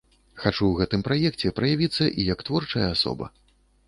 Хачу ў гэтым праекце праявіцца і як творчая асоба.